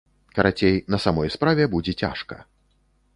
Карацей, на самой справе будзе цяжка.